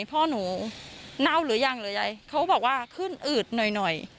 พ่อหนูเน่าหรือยังหรือยายเขาบอกว่าขึ้นอืดหน่อยหน่อย